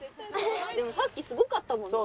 でもさっきすごかったもんな。